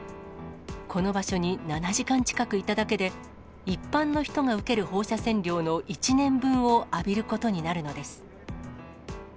この場所に７時間近くいただけで、一般の人が受ける放射線量の１年分を浴びることになるのです。